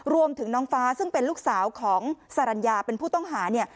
รวมถึงน้องฟ้าซึ่งเป็นลูกสาวของสรรญาเป็นผู้ต้องหา